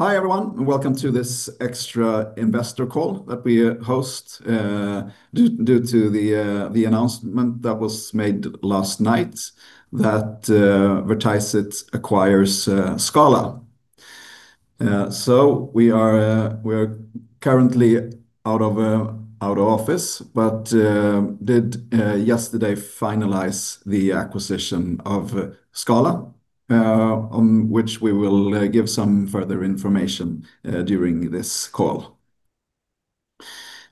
Hi, everyone, welcome to this extra investor call that we host due to the announcement that was made last night that Vertiseit acquires Scala. We are currently out of office, but did yesterday finalize the acquisition of Scala, on which we will give some further information during this call.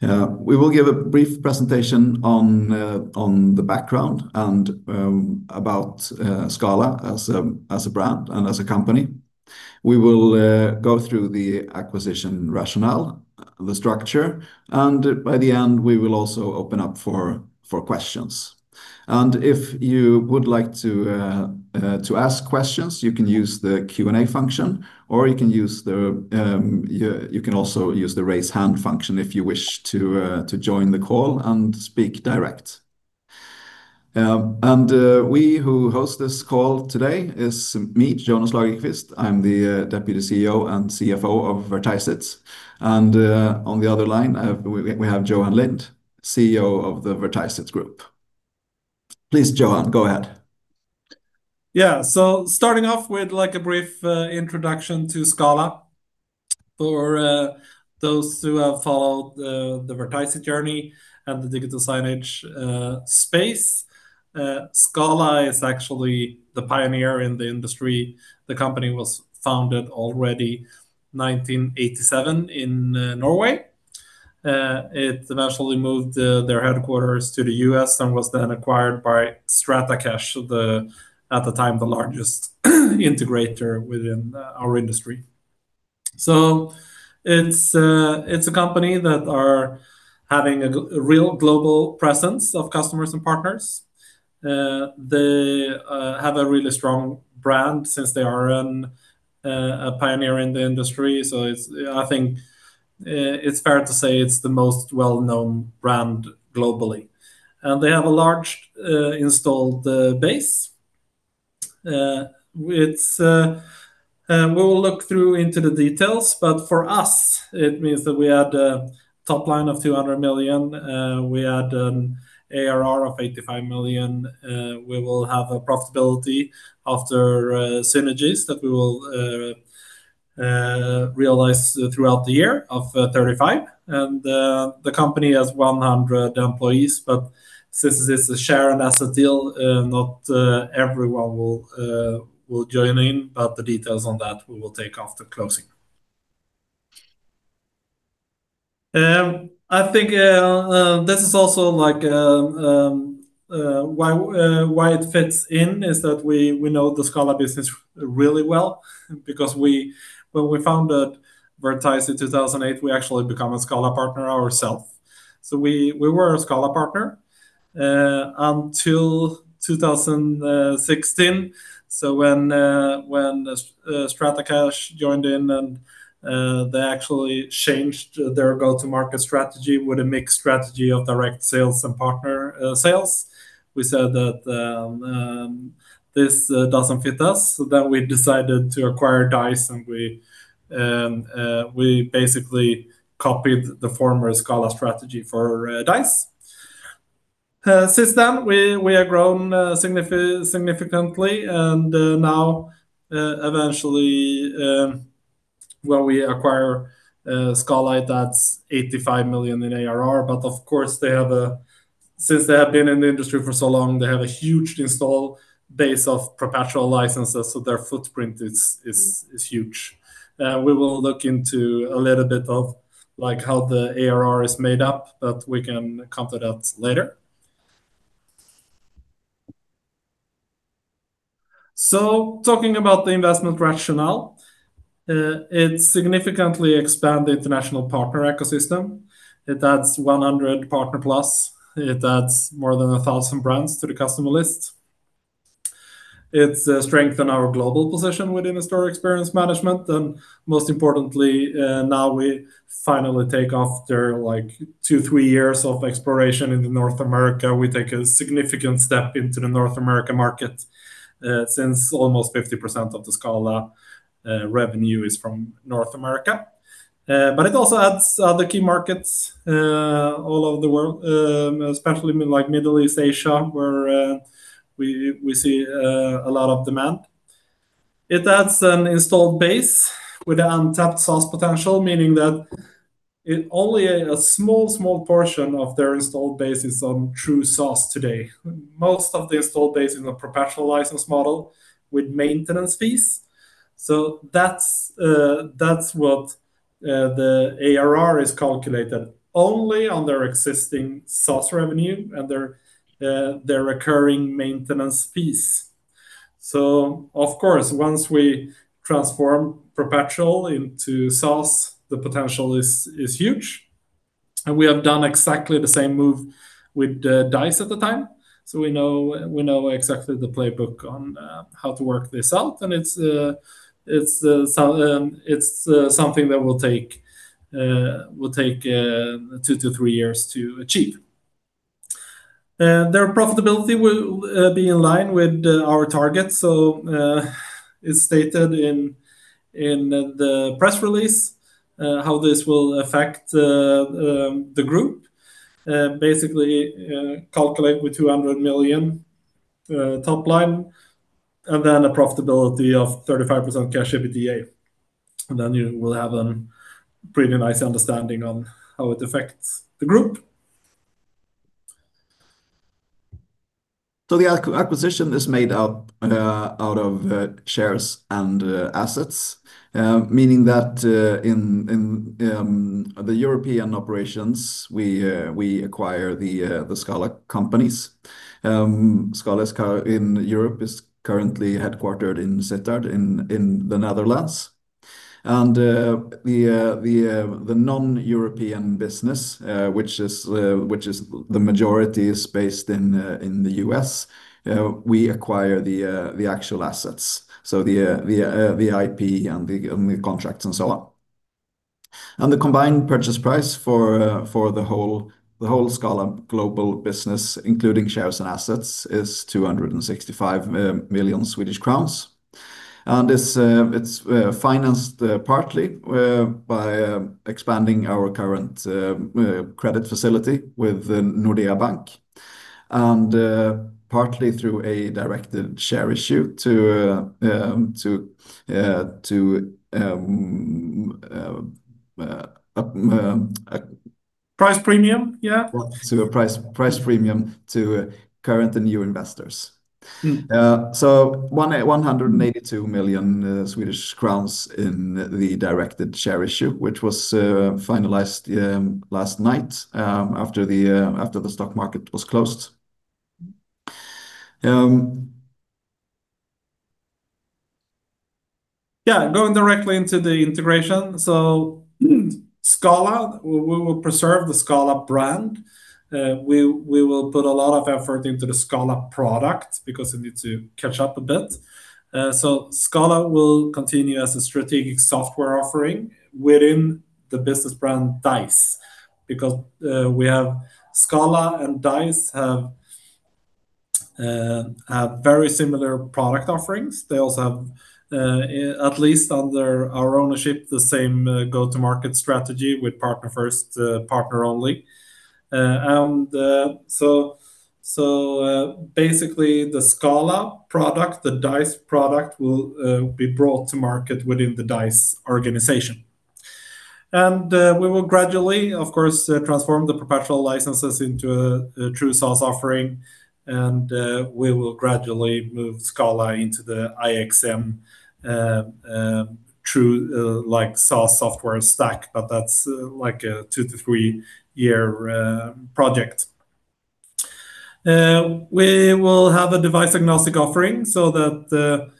We will give a brief presentation on the background and about Scala as a brand and as a company. We will go through the acquisition rationale, the structure, and by the end, we will also open up for questions. If you would like to ask questions, you can use the Q and A function, or you can also use the raise hand function if you wish to join the call and speak direct. We who host this call today is me, Jonas Lagerqvist. I'm the Deputy CEO and CFO of Vertiseit. On the other line, we have Johan Lind, CEO of the Vertiseit Group. Please, Johan, go ahead. Yeah. Starting off with a brief introduction to Scala. For those who have followed the Vertiseit journey and the digital signage space, Scala is actually the pioneer in the industry. The company was founded already 1987 in Norway. It eventually moved their headquarters to the U.S. and was then acquired by Stratacache, at the time, the largest integrator within our industry. It's a company that are having a real global presence of customers and partners. They have a really strong brand since they are a pioneer in the industry. I think it's fair to say it's the most well-known brand globally. They have a large installed base. We will look through into the details, but for us, it means that we add a top line of 200 million. We add an ARR of 85 million. We will have a profitability after synergies that we will realize throughout the year of 35%. The company has 100 employees, but since it's a share and asset deal, not everyone will join in. The details on that we will take after closing. I think this is also why it fits in, is that we know the Scala business really well because when we founded Vertiseit in 2008, we actually become a Scala partner ourselves. We were a Scala partner until 2016. When Stratacache joined in and they actually changed their go-to-market strategy with a mixed strategy of direct sales and partner sales, we said that this doesn't fit us. We decided to acquire Dise, and we basically copied the former Scala strategy for Dise. Since then, we have grown significantly and now, eventually, when we acquire Scala, that's 85 million in ARR. Of course, since they have been in the industry for so long, they have a huge install base of perpetual licenses. Their footprint is huge. We will look into a little bit of how the ARR is made up, we can come to that later. Talking about the investment rationale, it significantly expand the international partner ecosystem. It adds 100 partner plus. It adds more than 1,000 brands to the customer list. It strengthen our global position within in-store experience management, most importantly, now we finally take off, after two, three years of exploration into North America. We take a significant step into the North American market since almost 50% of the Scala revenue is from North America. It also adds other key markets all over the world, especially Middle East, Asia, where we see a lot of demand. It adds an installed base with untapped SaaS potential, meaning that only a small portion of their installed base is on true SaaS today. Most of the installed base is a perpetual license model with maintenance fees. That's what the ARR is calculated, only on their existing SaaS revenue and their recurring maintenance fees. Of course, once we transform perpetual into SaaS, the potential is huge. We have done exactly the same move with Dise at the time. We know exactly the playbook on how to work this out, and it's something that will take two to three years to achieve. Their profitability will be in line with our targets. It's stated in the press release how this will affect the group. Basically, calculate with 200 million top line and then a profitability of 35% Cash EBITDA. You will have a pretty nice understanding on how it affects the group. The acquisition is made out of shares and assets, meaning that in the European operations, we acquire the Scala companies. Scala in Europe is currently headquartered in Sittard in the Netherlands. The non-European business, which the majority is based in the U.S., we acquire the actual assets, so the IP and the contracts and so on. The combined purchase price for the whole Scala global business, including shares and assets, is 265 million Swedish crowns. It's financed partly by expanding our current credit facility with Nordea Bank and partly through a directed share issue. Price premium, yeah. to a price premium to current and new investors. 182 million Swedish crowns in the directed share issue, which was finalized last night after the stock market was closed. Yeah, going directly into the integration. Scala, we will preserve the Scala brand. We will put a lot of effort into the Scala product because it needs to catch up a bit. Scala will continue as a strategic software offering within the business brand Dise, because Scala and Dise have very similar product offerings. They also have, at least under our ownership, the same go-to-market strategy with partner first, partner only. Basically the Scala product, the Dise product, will be brought to market within the Dise organization. We will gradually, of course, transform the perpetual licenses into a true SaaS offering. We will gradually move Scala into the IXM true SaaS software stack. That's a two to three year project. We will have a device-agnostic offering so that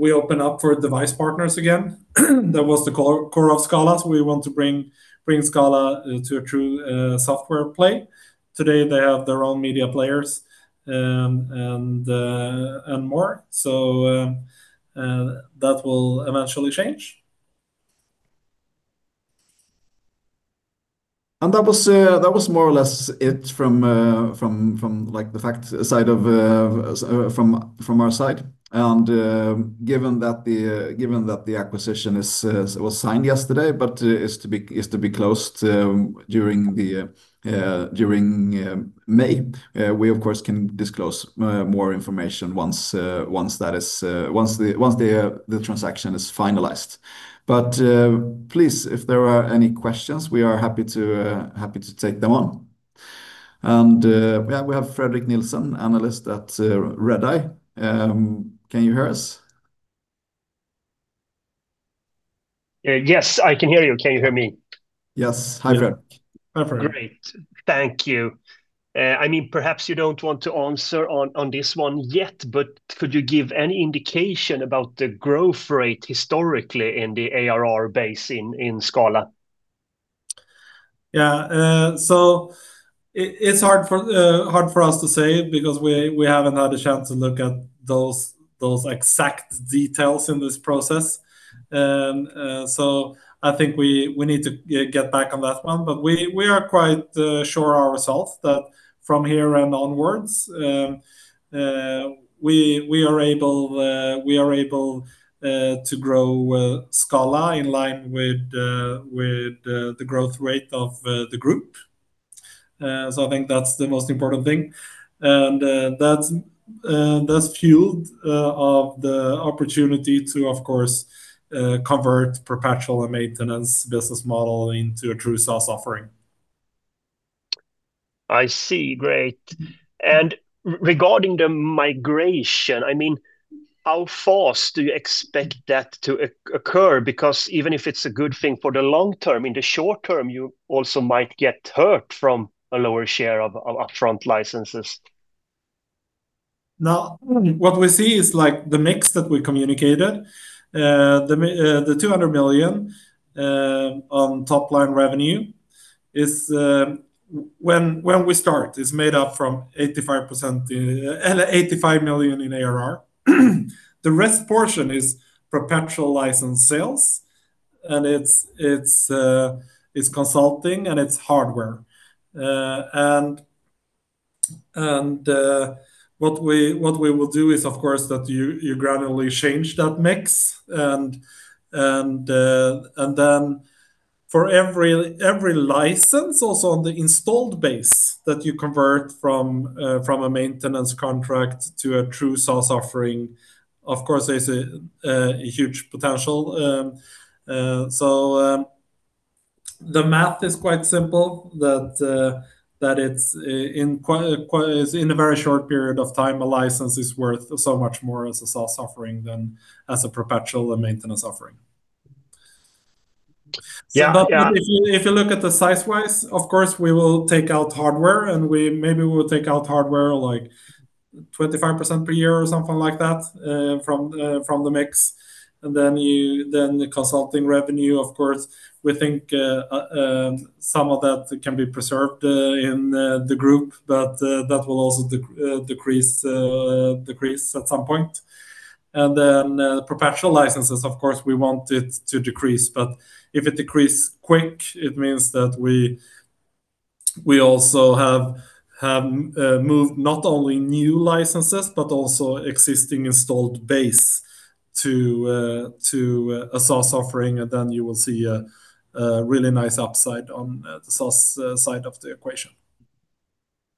we open up for device partners again. That was the core of Scala, so we want to bring Scala to a true software play. Today, they have their own media players and more. That will eventually change. That was more or less it from our side. Given that the acquisition was signed yesterday but is to be closed during May, we, of course, can disclose more information once the transaction is finalized. Please, if there are any questions, we are happy to take them on. Yeah, we have Fredrik Nilsson, analyst at Redeye. Can you hear us? Yes, I can hear you. Can you hear me? Yes. Hi, Fredrik. Hi, Fredrik. Great. Thank you. Perhaps you don't want to answer on this one yet, but could you give any indication about the growth rate historically in the ARR base in Scala? Yeah. It's hard for us to say because we haven't had a chance to look at those exact details in this process. I think we need to get back on that one. We are quite sure ourselves that from here and onwards, we are able to grow Scala in line with the growth rate of the group. I think that's the most important thing, and that's fueled of the opportunity to, of course, convert perpetual and maintenance business model into a true SaaS offering. I see. Great. Regarding the migration, how fast do you expect that to occur? Even if it's a good thing for the long- term, in the short- term, you also might get hurt from a lower share of upfront licenses. What we see is the mix that we communicated. The 200 million on top-line revenue, when we start, is made up from 85 million in ARR. The rest portion is perpetual license sales. It's consulting and it's hardware. What we will do is, of course, that you gradually change that mix for every license also on the installed base that you convert from a maintenance contract to a true SaaS offering, of course, there's a huge potential. The math is quite simple, that it's in a very short period of time, a license is worth so much more as a SaaS offering than as a perpetual and maintenance offering. Yeah. If you look at the size-wise, of course, we will take out hardware and maybe we will take out hardware like 25% per year or something like that from the mix. The consulting revenue, of course, we think some of that can be preserved in the group, but that will also decrease at some point. Perpetual licenses, of course, we want it to decrease, but if it decrease quickly, it means that we also have moved not only new licenses, but also existing installed base to a SaaS offering. You will see a really nice upside on the SaaS side of the equation.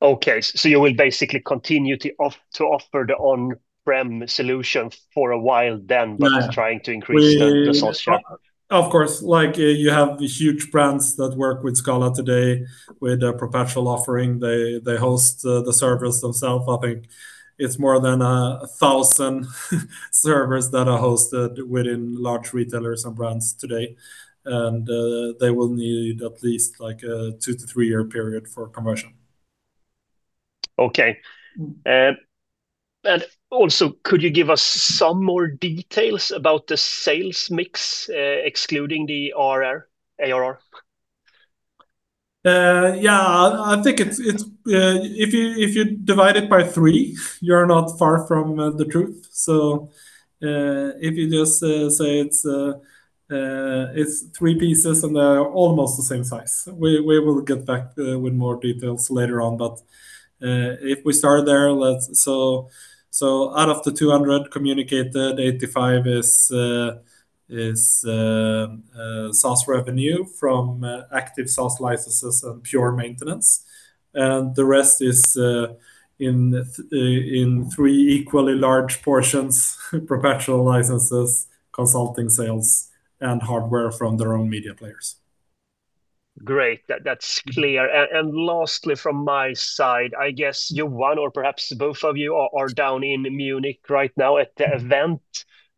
Okay. You will basically continue to offer the on-prem solution for a while. Yeah Trying to increase the SaaS offer. Of course, you have the huge brands that work with Scala today with a perpetual offering. They host the servers themselves. I think it's more than 1,000 servers that are hosted within large retailers and brands today. They will need at least a two to three year period for conversion. Okay. Also, could you give us some more details about the sales mix, excluding the ARR? Yeah. I think if you divide it by three, you're not far from the truth. If you just say it's three pieces and they are almost the same size. We will get back with more details later on. If we start there, so out of the 200 communicated, 85 is SaaS revenue from active SaaS licenses and pure maintenance. The rest is in three equally large portions, perpetual licenses, consulting sales, and hardware from their own media players. Great. That's clear. Lastly, from my side, I guess you, one or perhaps both of you, are down in Munich right now at the event.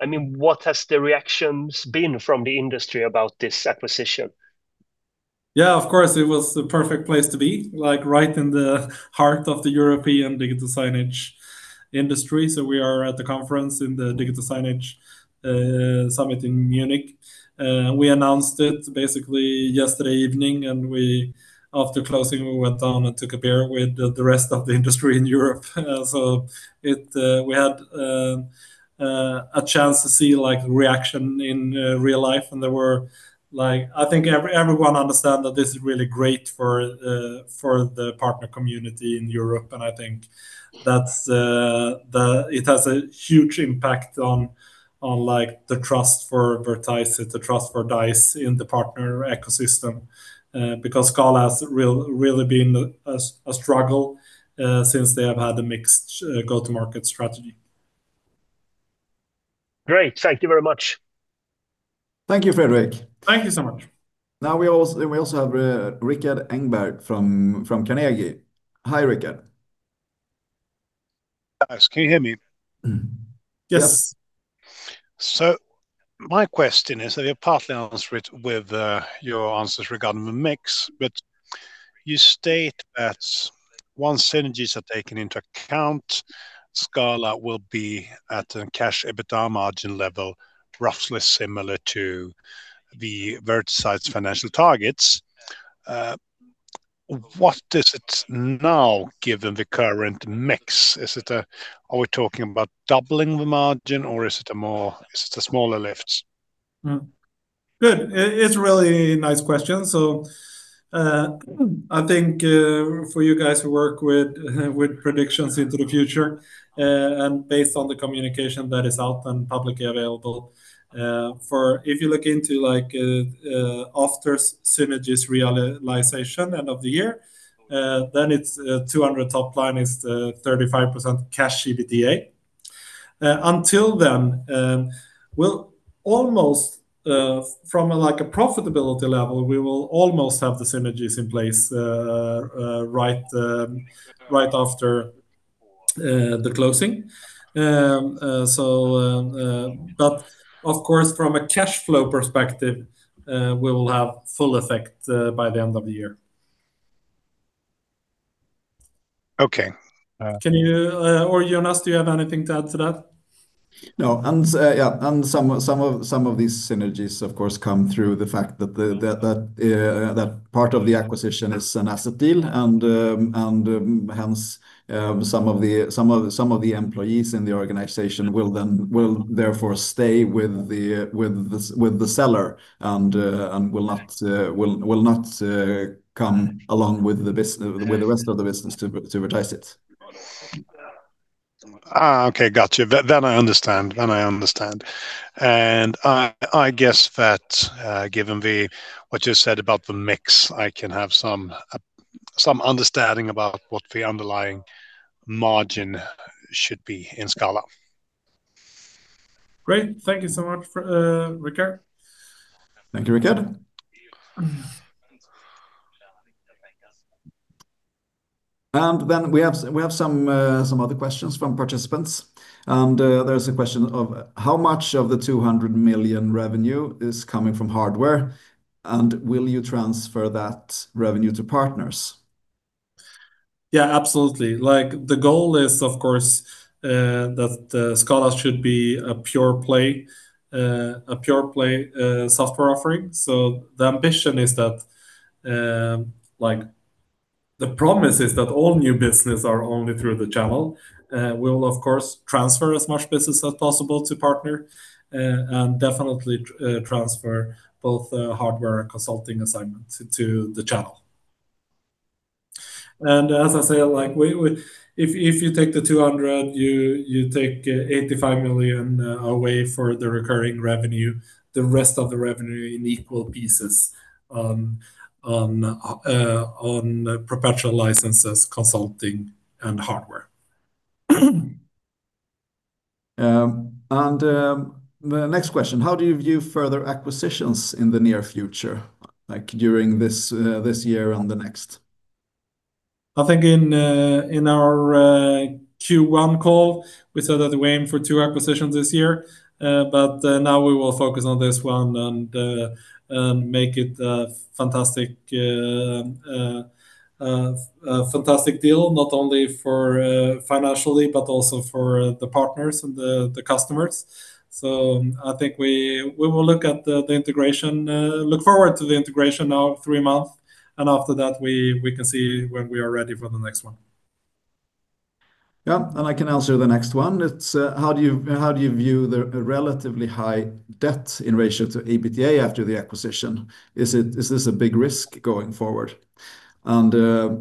What has the reactions been from the industry about this acquisition? Yeah, of course, it was the perfect place to be, right in the heart of the European digital signage industry. We are at the conference in the Digital Signage Summit in Munich. We announced it basically yesterday evening, and after closing, we went down and took a beer with the rest of the industry in Europe. We had a chance to see reaction in real life, and I think everyone understand that this is really great for the partner community in Europe. I think it has a huge impact on the trust for Vertiseit, the trust for Dise in the partner ecosystem, because Scala has really been a struggle, since they have had a mixed go-to-market strategy. Great. Thank you very much. Thank you, Fredrik. Thank you so much. Now we also have Rikard Engberg from Carnegie. Hi, Rikard. Guys, can you hear me? Yes. My question is, and you partly answered it with your answers regarding the mix, but you state that once synergies are taken into account, Scala will be at a Cash EBITDA margin level roughly similar to Vertiseit's financial targets. What is it now, given the current mix? Are we talking about doubling the margin, or is it a smaller lift? It's a really nice question. I think for you guys who work with predictions into the future, and based on the communication that is out and publicly available, if you look into after synergies realization end of the year, then its 200 top line is 35% Cash EBITDA. Until then, from a profitability level, we will almost have the synergies in place right after the closing. Of course, from a cash flow perspective, we will have full effect by the end of the year. Okay Jonas, do you have anything to add to that? No. Some of these synergies, of course, come through the fact that part of the acquisition is an asset deal, and hence some of the employees in the organization will therefore stay with the seller and will not come along with the rest of the business to Vertiseit. Okay, got you. That I understand. I guess that given what you said about the mix, I can have some understanding about what the underlying margin should be in Scala. Great. Thank you so much, Rikard. Thank you, Rikard. We have some other questions from participants. There's a question of how much of the 200 million revenue is coming from hardware, and will you transfer that revenue to partners? Yeah, absolutely. The goal is, of course, that Scala should be a pure-play software offering. The ambition is that the promise is that all new business are only through the channel. We'll of course transfer as much business as possible to partner, and definitely transfer both hardware and consulting assignments to the channel. As I say, if you take the 200, you take 85 million away for the recurring revenue, the rest of the revenue in equal pieces on perpetual licenses, consulting, and hardware. The next question, how do you view further acquisitions in the near future, like during this year and the next? I think in our Q1 call, we said that we aim for two acquisitions this year. Now we will focus on this one and make it a fantastic deal not only for financially but also for the partners and the customers. I think we will look forward to the integration now three months, and after that, we can see when we are ready for the next one. Yeah. I can answer the next one. It's how do you view the relatively high debt in ratio to EBITDA after the acquisition? Is this a big risk going forward? Lower. Yeah.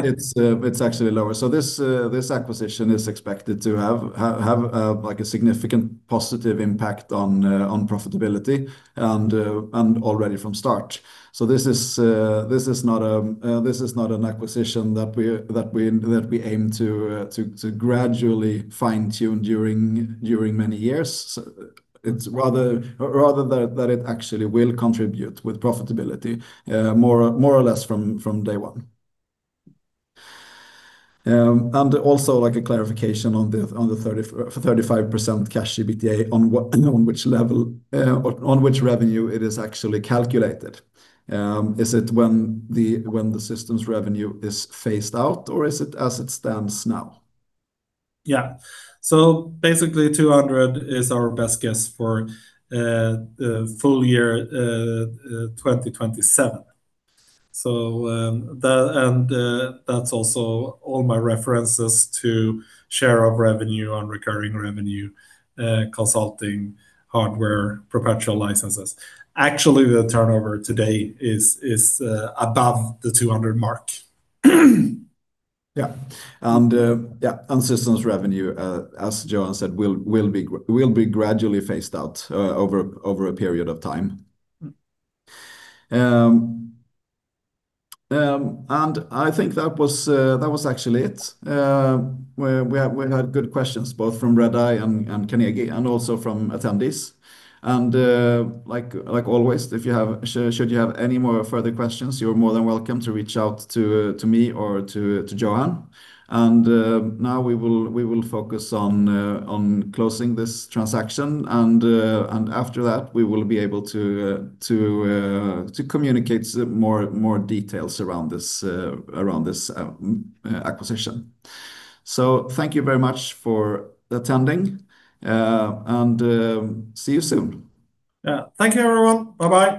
It's actually lower. This acquisition is expected to have a significant positive impact on profitability and already from start. This is not an acquisition that we aim to gradually fine-tune during many years. It's rather that it actually will contribute with profitability more or less from day one. Also a clarification on the 35% Cash EBITDA on which revenue it is actually calculated. Is it when the systems revenue is phased out, or is it as it stands now? Yeah. Basically 200 is our best guess for full- year 2027. That's also all my references to share of revenue on recurring revenue, consulting, hardware, perpetual licenses. Actually, the turnover today is above the 200 mark. Yeah. Systems revenue, as Johan said, will be gradually phased out over a period of time. I think that was actually it. We had good questions both from Redeye and Carnegie and also from attendees. Like always, should you have any more further questions, you're more than welcome to reach out to me or to Johan. Now we will focus on closing this transaction and after that, we will be able to communicate more details around this acquisition. Thank you very much for attending and see you soon. Yeah. Thank you, everyone. Bye-bye.